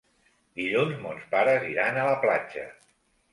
Dilluns mons pares iran a la platja.